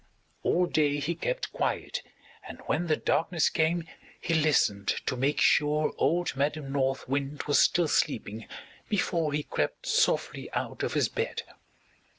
All day he kept quiet, and when the darkness came he listened to make sure old Madam North Wind was still sleeping before he crept softly out of his bed.